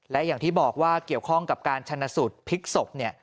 และอย่างที่บอกว่าเกี่ยวข้องกับการชนะสูตรพลิกศพ